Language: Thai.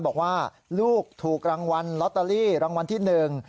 บอกว่าลูกถูกรางวัลลอตเตอรี่รางวัลที่หนึ่ง